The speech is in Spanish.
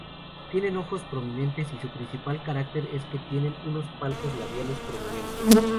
Tienen ojos prominentes y su principal carácter es el tener unos palpos labiales prominentes.